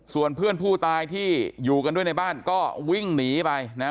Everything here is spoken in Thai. ส่วนเพื่อนผู้ตายที่อยู่กันด้วยในบ้านก็วิ่งหนีไปนะ